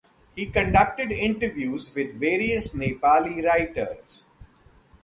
He conducted interviews with various Nepali writers.